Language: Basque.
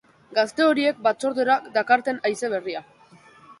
Gazte horiek batzordera dakarten haize berria.